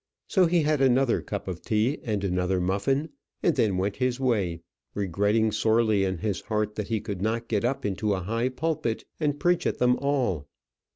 So he had another cup of tea and another muffin, and then went his way; regretting sorely in his heart that he could not get up into a high pulpit and preach at them all.